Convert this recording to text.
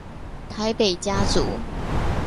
台北家族